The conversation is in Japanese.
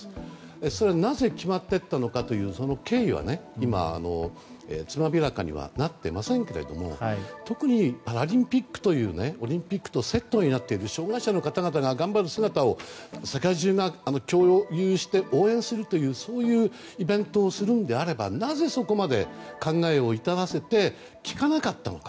それが、なぜ決まっていったのかというその経緯は今、つまびらかにはなってはいませんが特に、パラリンピックというねオリンピックとセットになってる障害者の方々が頑張る姿を世界中が共有して応援するというそういうイベントをするのであれば、なぜそこまで考えを至らせて聞かなかったのか。